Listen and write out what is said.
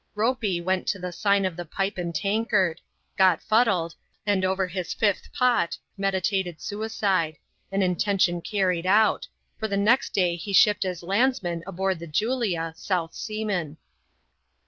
Ropey went to the sign of the Pipe and Tankard ; got fuddled ; and over his fifth pot meditated suicide — an intention carried out ; for the next day he shipped as landsman aboard the Julia, South Seaman.